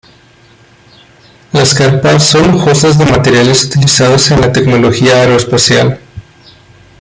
Las carpas son lujosas de materiales utilizados en la tecnología aeroespacial.